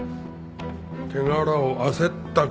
手柄を焦ったか？